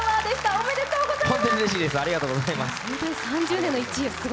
ありがとうございます。